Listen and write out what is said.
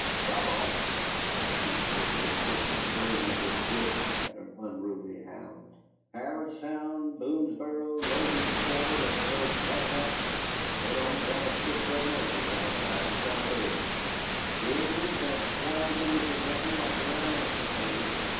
"Trouble?" cried Mr. Sevier, with a quick fling of his whip at an unruly hound, "Harrodstown, Boonesboro, Logan's Fort at St. Asaph's, they don't dare stick their noses outside the stockades. The Indians have swarmed into Kentucky like red ants, I tell you.